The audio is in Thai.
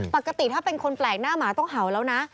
ปกติถ้าเป็นคนแปลกหน้าหมาต้องเห่าแล้วนะ